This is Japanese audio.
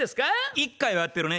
１回はやってるね。